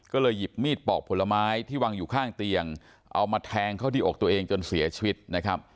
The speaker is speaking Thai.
ก็เลยหยิบมีดปอกผลไม้ที่วางอยู่ข้างเตียงเอามาแทงเข้าที่อกตัวเองจนเสียชีวิตนะครับ